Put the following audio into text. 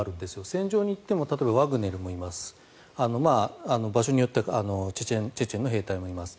戦場に行っても例えばワグネルもいます場所によってはチェチェンの兵隊もいます。